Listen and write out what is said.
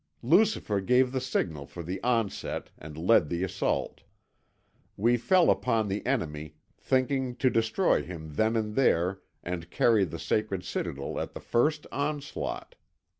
"Lucifer gave the signal for the onset and led the assault. We fell upon the enemy, thinking to destroy him then and there and carry the sacred citadel at the first onslaught.